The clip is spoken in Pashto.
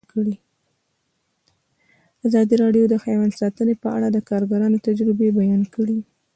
ازادي راډیو د حیوان ساتنه په اړه د کارګرانو تجربې بیان کړي.